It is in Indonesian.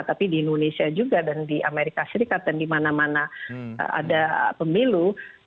tapi di indonesia juga dan di amerika serikat dan di mana mana ada pemilu